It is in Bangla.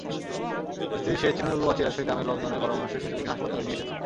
স্ত্রীর শেষ চিহ্নটুকু বাঁচিয়ে রাখতে গ্রামের লোকজনের পরামর্শে শিশুটিকে হাসপাতালে নিয়ে এসেছি।